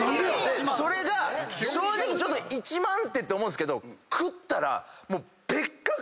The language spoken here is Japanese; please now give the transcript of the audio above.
それが正直ちょっと１万ってって思うんですけど食ったら。